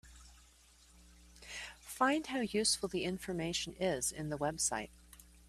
Find how useful the information is in the website.